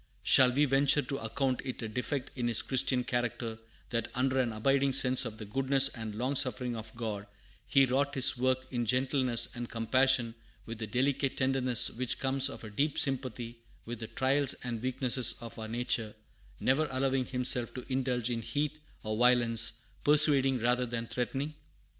Shall we venture to account it a defect in his Christian character, that, under an abiding sense of the goodness and long suffering of God, he wrought his work in gentleness and compassion, with the delicate tenderness which comes of a deep sympathy with the trials and weaknesses of our nature, never allowing himself to indulge in heat or violence, persuading rather than threatening?